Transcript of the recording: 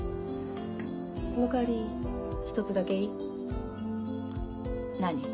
その代わり一つだけいい？何？